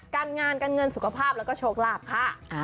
การงานการเงินสุขภาพแล้วก็โชคลาภค่ะ